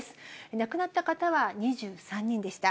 亡くなった方は２３人でした。